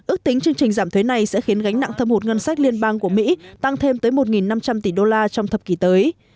ước tính chương trình giảm thuế này sẽ khiến gánh nặng thâm hụt ngân sách liên bang của mỹ tăng thêm tới một năm trăm linh tỷ đô la trong thập kỷ tới